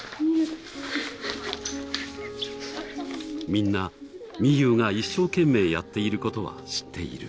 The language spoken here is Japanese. みんな、みゆうが一生懸命やっていることは知っている。